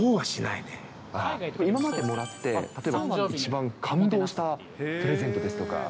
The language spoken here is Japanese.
今までもらって、例えば一番感動したプレゼントですとか。